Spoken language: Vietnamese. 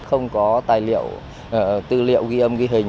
không có tài liệu tư liệu ghi âm ghi hình